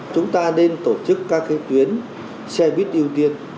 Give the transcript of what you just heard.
chúng ta nên tổ chức các cái tuyến xe buýt ưu tiên